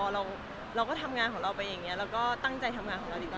เราก็ทำงานของเราไปอย่างนี้เราก็ตั้งใจทำงานของเราดีกว่า